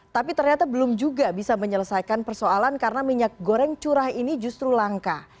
tapi ternyata belum juga bisa menyelesaikan persoalan karena minyak goreng curah ini justru langka